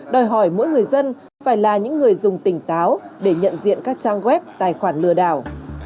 đòi hỏi mỗi người dân phải là những người dùng tỉnh táo để nhận diện các trang web tài khoản lừa đảo